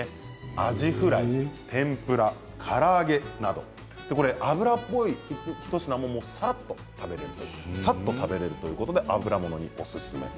あじフライ、天ぷらから揚げなど油っぽい一品もさっと食べられるということで油ものにおすすめ。